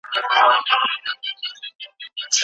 ايا انلاين زده کړه د زده کوونکو خپلواکۍ ته وده ورکوي؟